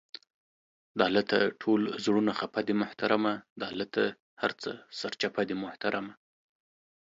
دالته ټول زړونه خفه دې محترمه، دالته هر څه سرچپه دي محترمه!